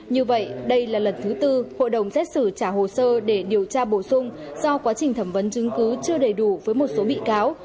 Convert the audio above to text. như vậy đây là lần thứ tư hội đồng xét xử trả hồ sơ để điều tra bổ sung do quá trình thẩm vấn chứng cứ chưa đầy đủ với một số bị cáo